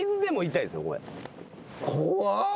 怖っ。